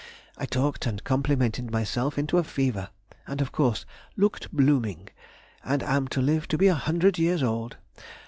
I talked and complimented myself into a fever, of course "looked blooming," and am to live to be a hundred years old.